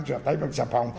chữa tay bằng xe phòng